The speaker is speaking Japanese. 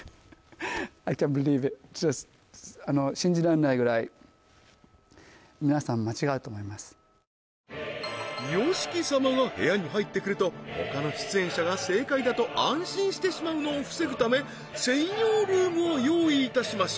だからＹＯＳＨＩＫＩ様が部屋に入ってくるとほかの出演者が正解だと安心してしまうのを防ぐため専用ルームを用意いたしました